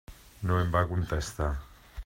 No em va contestar.